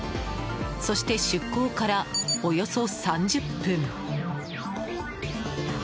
そして、出港からおよそ３０分。